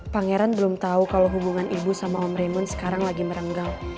pangeran belum tau kalo hubungan ibu sama om raymond sekarang lagi merenggak